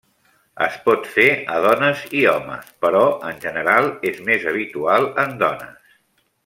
Es pot fer a dones i homes, però en general és més habitual en dones.